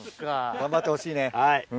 頑張ってほしいね。